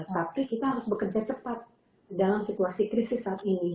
tapi kita harus bekerja cepat dalam situasi krisis saat ini